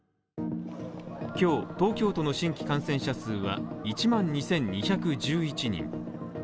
今日、東京都の新規感染者数は１万２２１１人。